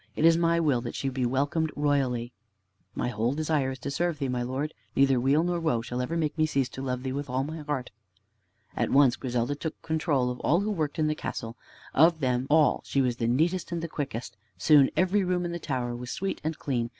It is my will that she be welcomed royally." "My whole desire is to serve thee, my Lord. Neither weal nor woe shall ever make me cease to love thee with all my heart." At once Griselda took control of all who worked in the castle. Of them all she was the neatest and the quickest. Soon every room in the tower was sweet and clean.